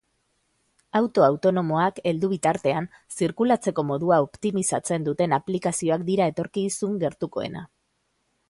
Auto autonomoak heldu bitartean, zirkulatzeko modua optimizatzen duten aplikazioak dira etorkizun gertukoena.